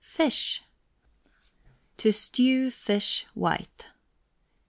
FISH. TO STEW FISH WHITE.